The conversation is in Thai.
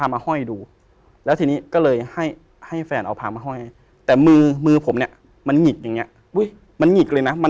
มันหเงียกเลยนะ